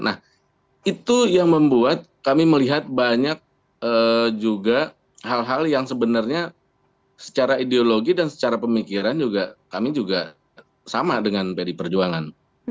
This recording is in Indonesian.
nah itu yang membuat kami melihat banyak juga hal hal yang sebenarnya secara ideologi dan secara pemikiran juga kami juga sama dengan pd perjuangan